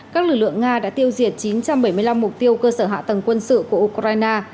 các lực lượng nga đã tiêu diệt chín trăm bảy mươi năm mục tiêu cơ sở hạ tầng quân sự của ukraine